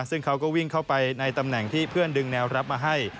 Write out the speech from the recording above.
ซึ่งเขาก็วิ่งเข้าไปในตำแหน่งที่เพื่อนดึงแนวรับมาให้